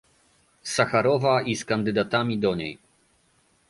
Sacharowa i z kandydatami do niej